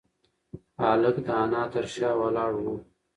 هلک د انا تر شا ولاړ و.